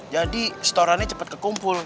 jadi setorannya cepat kekumpul